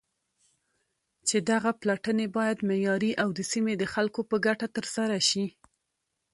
چې دغه پلټنې بايد معياري او د سيمې د خلكو په گټه ترسره شي.